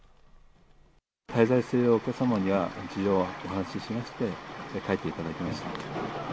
滞在しているお客様には、事情をお話ししまして、帰っていただきました。